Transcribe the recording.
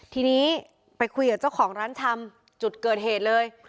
ทีนี้ไปคุยกับเจ้าของร้านชำจุดเกิดเหตุเลย